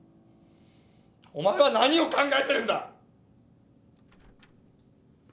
お前は何を考えてるんだ！